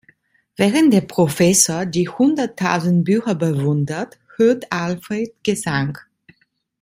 Während der Professor die hunderttausend Bücher bewundert, hört Alfred Gesang.